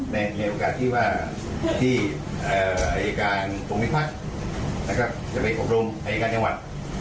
ในโอกาสที่ว่าที่ไอยการอุตมิพัทธิ์จะไปกรมไอยการแม่งหวัด